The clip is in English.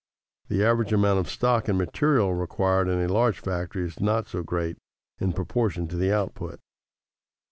The average amount of stock and materials required in a large factory is not so great in proportion to the output.